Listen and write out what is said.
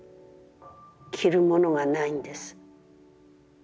着るものがないんです。